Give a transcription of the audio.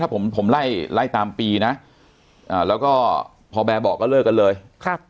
ผมผมไล่ไล่ตามปีนะแล้วก็พอแบร์บอกก็เลิกกันเลยครับ